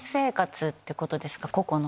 個々の。